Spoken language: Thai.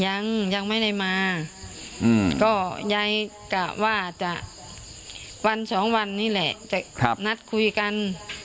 ยังยังไม่ได้มาก็ยายกะว่าจะวันสองวันนี้แหละจะนัดคุยกัน